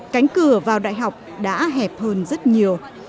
cánh cửa vào đại học đã hẹp hơn rất nhiều